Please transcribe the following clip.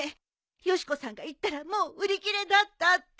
よし子さんが行ったらもう売り切れだったって。